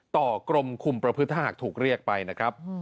กรมคุมประพฤติถ้าหากถูกเรียกไปนะครับ